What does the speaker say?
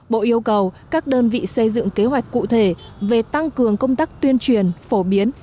bộ yêu cầu các đơn vị xây dựng kế hoạch cụ thể về tăng cường công tác tuyên truyền phổ biến